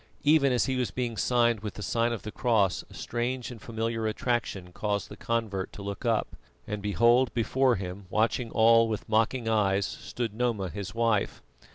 Even as he was being signed with the sign of the cross, a strange and familiar attraction caused the convert to look up, and behold, before him, watching all with mocking eyes, stood Noma his wife.